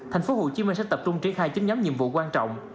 tp hcm sẽ tập trung triển khai chín nhóm nhiệm vụ quan trọng